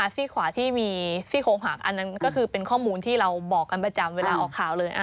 ซี่ขวาที่มีซี่โครงหักอันนั้นก็คือเป็นข้อมูลที่เราบอกกันประจำเวลาออกข่าวเลย